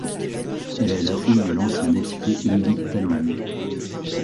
Elle est la fille de l'ancien député Willy Taelman.